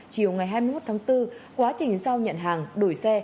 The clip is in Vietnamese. chiều ngày hai mươi một tháng bốn quá trình giao nhận hàng đổi xe